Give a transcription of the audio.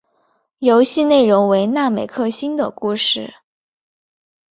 游戏内容为那美克星的故事。